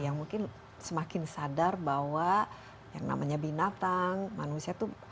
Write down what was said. yang mungkin semakin sadar bahwa yang namanya binatang manusia itu